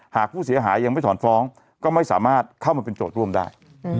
หากผู้เสียหายยังไม่ถอนฟ้องก็ไม่สามารถเข้ามาเป็นโจทย์ร่วมได้